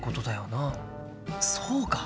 そうか！